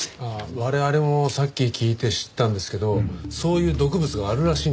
我々もさっき聞いて知ったんですけどそういう毒物があるらしいんですよ。